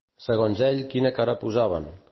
Segons ell, quina cara posaven?